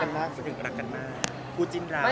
อะไรคะพี่หว่า